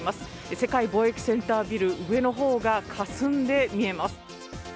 世界貿易センタービル上の方がかすんで見えます。